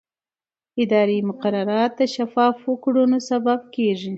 اداري مقررات د شفافو کړنو سبب کېږي.